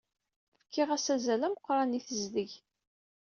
Fkiɣ-as azal ameqran i tezdeg.